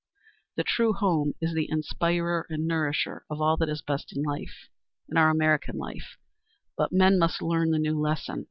The true home is the inspirer and nourisher of all that is best in life in our American life; but men must learn the new lesson.